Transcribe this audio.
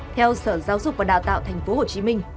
theo sở giáo dục và đào tạo tp hcm